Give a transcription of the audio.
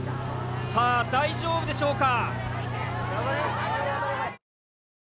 さあ大丈夫でしょうか？